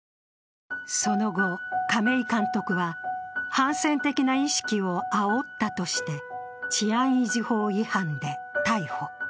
その後、亀井監督は反戦的な意識をあおったとして治安維持法違反で逮捕。